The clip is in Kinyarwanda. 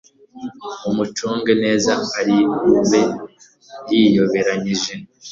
mumucunge neza ari bube yiyoberanyije